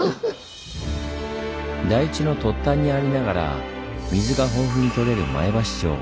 台地の突端にありながら水が豊富にとれる前橋城。